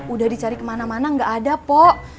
udah dicari kemana mana gak ada po